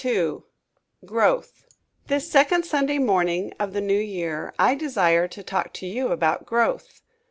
"_ GROWTH This second Sunday morning of the New Year I desire to talk to you about growth.